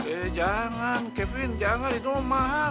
eh jangan kevin jangan itu mahal